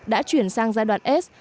đã chuyển sang giai đoạn s